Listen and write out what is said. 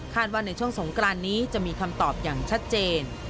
ว่าในช่วงสงกรานนี้จะมีคำตอบอย่างชัดเจน